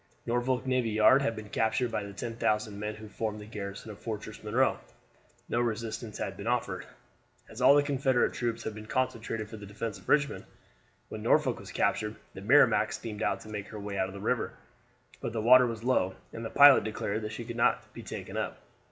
Norfolk Navy Yard had been captured by the 10,000 men who formed the garrison of Fortress Monroe. No resistance had been offered, as all the Confederate troops had been concentrated for the defense of Richmond. When Norfolk was captured the Merrimac steamed out to make her way out of the river; but the water was low, and the pilot declared that she could not be taken up.